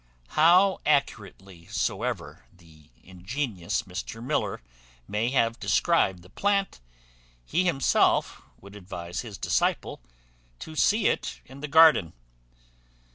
How accurately soever the ingenious Mr Miller may have described the plant, he himself would advise his disciple to see it in the garden.